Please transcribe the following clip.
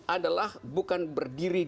adalah bukan berdiri